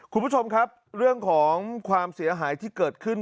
คุณผู้ชมครับเรื่องของความเสียหายที่เกิดขึ้น